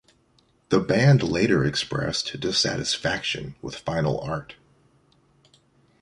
The band later expressed dissatisfaction with final art.